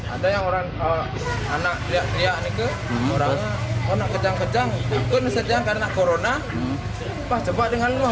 ada yang orang anak teriak teriak nih ke orangnya orang kejang kejang kejang kejang karena corona pas cepat dengan luar